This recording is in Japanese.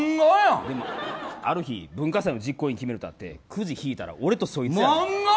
ある日、文化祭の実行委員決めるってなってくじを引いたら、俺とそいつや。